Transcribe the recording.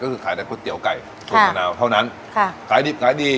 ก็คือขายทั้งก๋วยเตี๋ยวไก่ต้นนราวเท่านั้นค่ะขายดีขายดี